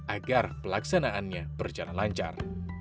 agar pelaksanaannya berjalan lancar